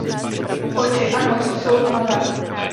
Oči a nos jsou tmavé.